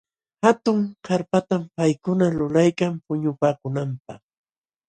Hatun karpatam paykuna lulaykan puñupaakunanpaq.